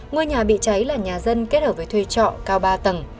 ngôi nhà bị cháy là nhà dân kết hợp với thuê trọ cao ba tầng